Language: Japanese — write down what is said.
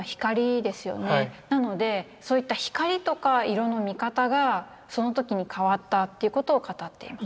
なのでそういった光とか色の見方がその時に変わったということを語っています。